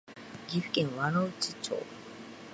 岐阜県輪之内町